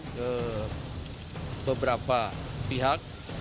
ke beberapa pihak